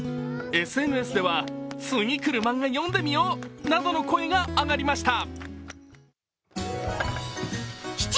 ＳＮＳでは次くるマンガ読んでみようなどの声があがりました。